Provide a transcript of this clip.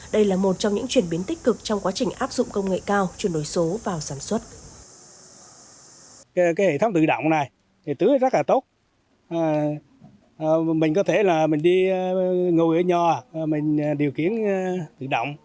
đây là một trong những chuyển biến tích cực trong quá trình áp dụng công nghệ cao chuyển đổi số vào sản xuất